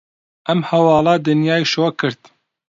ئەم هەواڵە دنیای شۆک کرد.